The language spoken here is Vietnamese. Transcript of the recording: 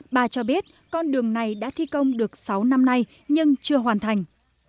bà cho biết con đường này đã thi công được sáu năm nay nhưng chưa hoàn thành